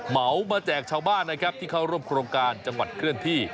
เหมามาแจกชาวบ้านนะครับที่เข้าร่วมโครงการจังหวัดเคลื่อนที่